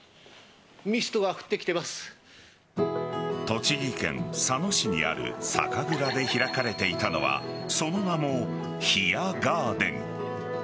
栃木県佐野市にある酒蔵で開かれていたのはその名も、ひやガーデン。